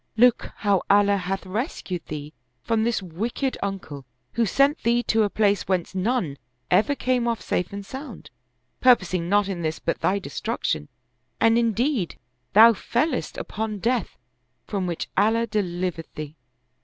Look how Allah hath rescued thee from this wicked uncle, who sent thee to a place whence none ever came off safe and sound, purposing not in this but thy destruction ; and indeed thou fellest upon death from which Allah delivered thee.